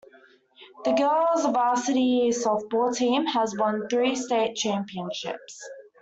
The Girls Varsity Softball team has won three state championships.